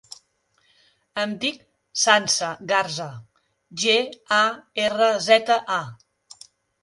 Em dic Sança Garza: ge, a, erra, zeta, a.